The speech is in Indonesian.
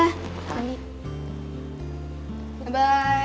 sampai jumpa megan